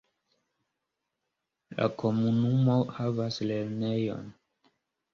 La komunumo havas lernejon.